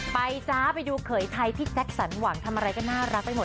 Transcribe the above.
จ๊ะไปดูเขยไทยพี่แจ็คสันหวังทำอะไรก็น่ารักไปหมด